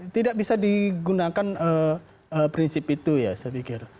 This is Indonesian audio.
tidak bisa digunakan prinsip itu ya saya pikir